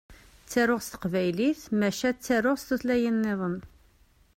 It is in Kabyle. Ttaruɣ s teqbaylit maca ttaruɣ s tutlayin-nniḍen.